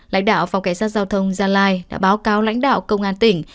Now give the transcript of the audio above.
lãnh đạo phòng cảnh sát giao thông gia lai đã báo cáo lãnh đạo công an tỉnh